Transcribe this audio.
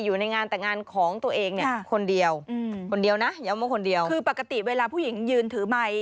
อยู่ในงานแต่งงานของตัวเองคนเดียวคือปกติเวลาผู้หญิงยืนถือไมค์